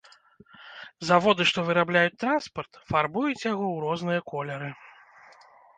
Заводы, што вырабляюць транспарт, фарбуюць яго у розныя колеры.